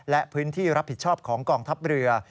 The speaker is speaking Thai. และพื้นที่รับผิดชอบของกองทัพเรือ